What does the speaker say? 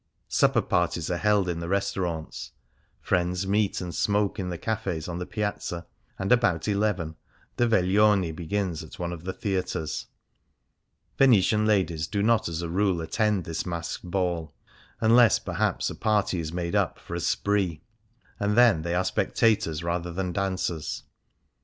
Supper parties are held in the restaurants ; friends meet and smoke in the cafes on the Piazza, and about eleven the veglione begins at one of the theatres. Venetian ladies do not as a rule attend this masked ball, unless perhaps a party is made up for a " spree," and then they are spectators rather than dancers.